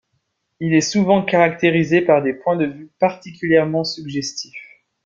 Il est souvent caractérisé par des points de vue particulièrement suggestifs.